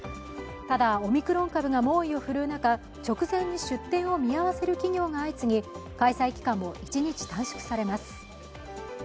ただ、オミクロン株が猛威を振るう中、直前に出展を見合わせる企業が相次ぎ、開催期間も１日短縮されます。